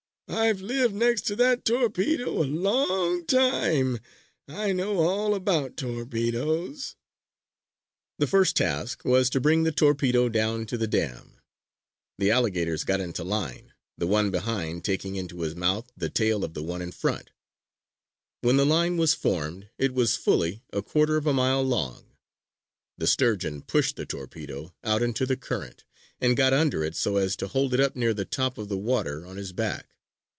I've lived next to that torpedo a long time. I know all about torpedoes." The first task was to bring the torpedo down to the dam. The alligators got into line, the one behind taking in his mouth the tail of the one in front. When the line was formed it was fully a quarter of a mile long. The Sturgeon pushed the torpedo out into the current, and got under it so as to hold it up near the top of the water on his back.